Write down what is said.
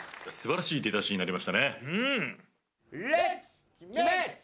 素晴らしい出だしになりましたね。